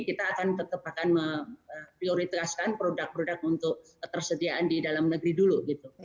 kita akan tetap akan memprioritaskan produk produk untuk ketersediaan di dalam negeri dulu gitu